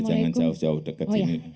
jangan jauh jauh dekat